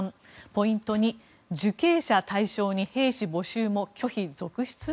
ポイント２受刑者対象に兵士募集も拒否続出？